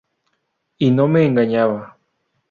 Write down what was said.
Y no me engañaba.